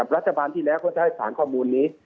รัฐบาลที่แรกก็ใช้ฐานข้อมูลนี้